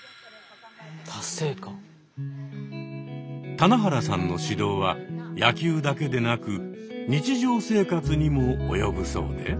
棚原さんの指導は野球だけでなく日常生活にも及ぶそうで。